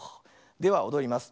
ではおどります。